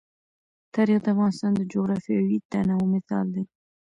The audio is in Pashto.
تاریخ د افغانستان د جغرافیوي تنوع مثال دی.